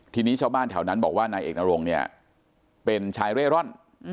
ทีนี้ชาวบ้านแถวนั้นบอกว่านายเอกนรงเนี่ยเป็นชายเร่ร่อน